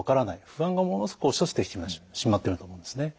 不安がものすごく押し寄せてきてしまっているんだと思うんですね。